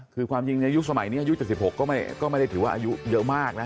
คือความจริงในยุคสมัยนี้อายุ๗๖ก็ไม่ได้ถือว่าอายุเยอะมากนะ